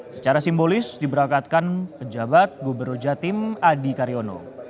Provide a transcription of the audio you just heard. secara simbolis diberangkatkan pejabat gubernur jatim adi karyono